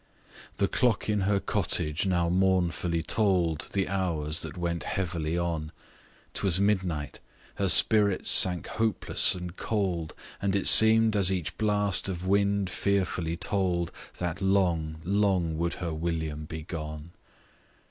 The clock in her cottage now mournfully told The hours that went heavily on; 'Twas midnight: her spirits sank hopeless and cold, And it seem'd as each blast of wind fearfully told That long, long would her William be gone.